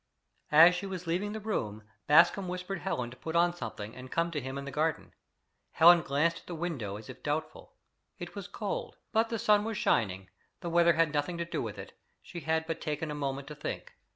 As she was leaving the room, Bascombe whispered Helen to put on something and come to him in the garden. Helen glanced at the window as if doubtful. It was cold, but the sun was shining; the weather had nothing to do with it; she had but taken a moment to think.